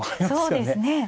そうですね。